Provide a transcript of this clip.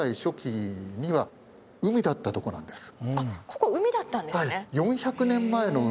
ここ海だったんですね。